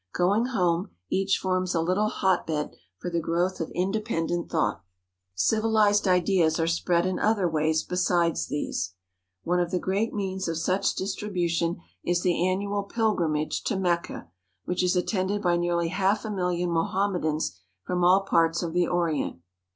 Going home, each forms a little hot bed for the growth of inde pendent thought. Civilized ideas are spread in other ways besides these. One of the great means of such distribution is the annual pilgrimage to Mecca, which is attended by nearly half a million Mohammedans from all parts of the Orient.